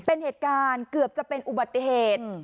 เป็นเหตุการณ์เกือบจะเป็นอุบัติเหตุ